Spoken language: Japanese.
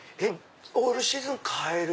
オールシーズンカエル？